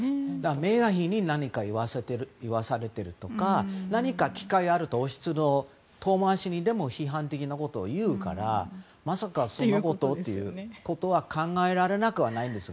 メーガン妃に何か言わされているとか何か機会があると遠回しに王室に批判的なことを言うからまさか、そんなことを？ということは考えられなくはないんですね。